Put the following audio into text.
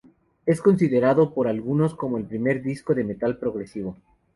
Es considerado por algunos como el primer disco de metal progresivo.